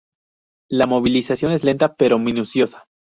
La movilización es lenta pero minuciosa.